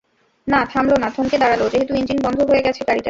না, থামল না, থমকে দাঁড়াল, যেহেতু ইঞ্জিন বন্ধ হয়ে গেছে গাড়িটার।